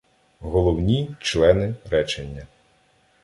Головні члени речення